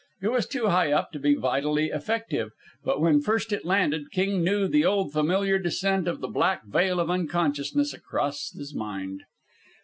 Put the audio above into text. It was too high up to be vitally effective; but when first it landed, King knew the old, familiar descent of the black veil of unconsciousness across his mind.